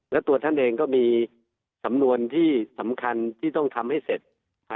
และตัวท่านเองก็มีสำนวนที่สำคัญที่ต้องทำให้เสร็จ